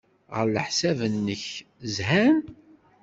Ɣef leḥsab-nnek, zhan?